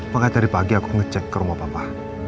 makanya dari pagi aku ngecek ke rumah papa